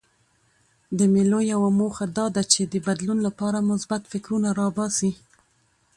د مېلو یوه موخه دا ده، چي د بدلون له پاره مثبت فکرونه راباسي.